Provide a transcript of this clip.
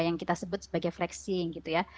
yang kita sebut sebagai flexing gitu ya